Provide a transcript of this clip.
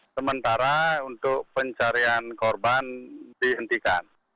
sementara untuk pencarian korban dihentikan